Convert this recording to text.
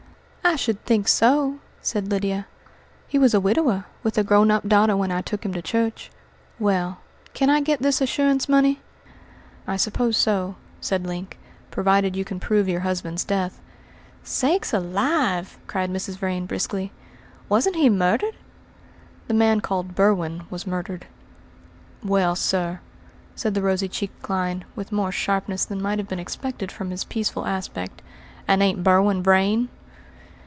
"I should think so!" said Lydia. "He was a widower with a grown up daughter when I took him to church. Well, can I get this assurance money?" "I suppose so," said Link, "provided you can prove your husband's death." "Sakes alive!" cried Mrs. Vrain briskly. "Wasn't he murdered?" "The man called Berwin was murdered." "Well, sir," said the rosy cheeked Clyne, with more sharpness than might have been expected from his peaceful aspect, "and ain't Berwin Vrain?"